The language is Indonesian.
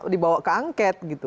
dibawa ke angket